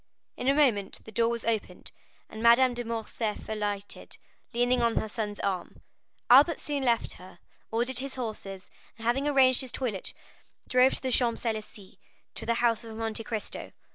In a moment the door was opened, and Madame de Morcerf alighted, leaning on her son's arm. Albert soon left her, ordered his horses, and having arranged his toilet, drove to the Champs Élysées, to the house of Monte Cristo.